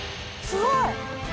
すごい！